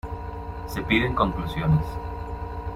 Se piden conclusiones.